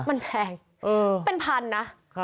มันแพงเป็นพันนะ